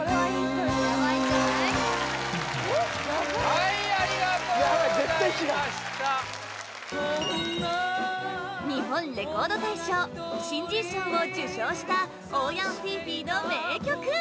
はいありがとうございました日本レコード大賞新人賞を受賞した欧陽菲菲の名曲